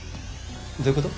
どういうこと？